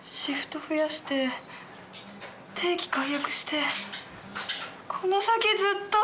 シフト増やして定期解約してこの先ずっと。